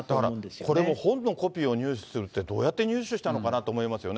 これも本のを入手するって、どうやって入手したのかなって思いますよね。